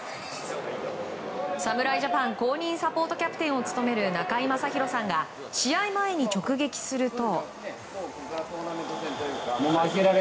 侍ジャパン公認サポートキャプテンを務める中居正広さんが試合前に直撃すると。